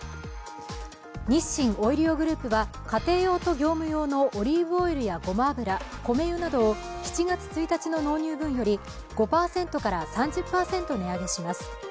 日清オイリオグループは家庭用と業務用のオリーブオイルやごま油、こめ油などを７月１日の納入分より５％から３０％値上げします。